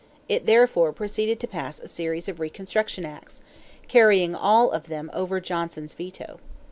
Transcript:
It therefore proceeded to pass a series of reconstruction acts carrying all of them over Johnson's veto.